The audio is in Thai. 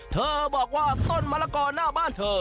เธอบอกว่าต้นมะละกอหน้าบ้านเธอ